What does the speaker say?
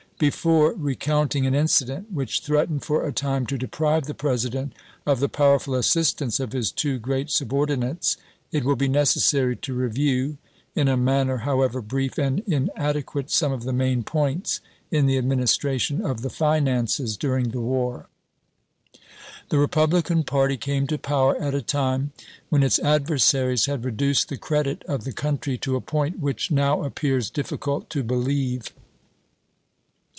Before re counting an incident which threatened for a time to deprive the President of the powerful assistance of his two great subordinates, it will be necessary to review, in a manner however brief and inade quate, some of the main points in the Administra tion of the finances duiing the war. The Republican party came to power at a time when its adversaries had reduced the credit of the country to a point which now appears difficult to believe.